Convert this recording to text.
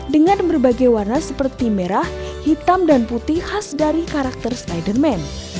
dengan berbagai warna seperti merah hitam dan putih khas dari karakter spider man